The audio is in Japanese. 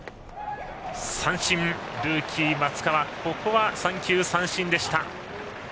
ルーキーの松川ここは三球三振でした。